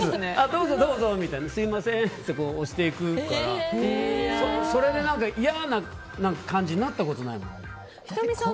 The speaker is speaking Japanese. どうぞどうぞすみませんって押していくからそれで、いやな感じになったことないもん。